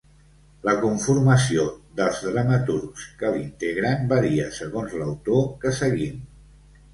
La conformació dels dramaturgs que l'integren varia segons l'autor que seguim.